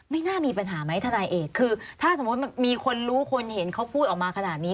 น่ามีปัญหาไหมทนายเอกคือถ้าสมมุติมีคนรู้คนเห็นเขาพูดออกมาขนาดนี้